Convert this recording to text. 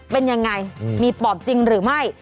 เป็นยังไงมีปอบจริงหรือไม่